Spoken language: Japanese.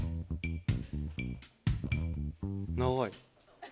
長い。